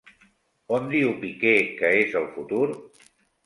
On diu Piqué que és el futur?